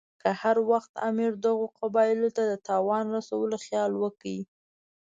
که هر وخت امیر دغو قبایلو ته د تاوان رسولو خیال وکړي.